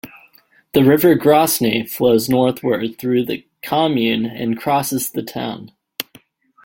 The river Grosne flows northward through the commune and crosses the town.